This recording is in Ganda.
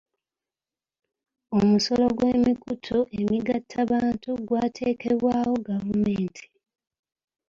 Omusolo gw'emikutu emigattabantu gwateekebwawo gavumenti.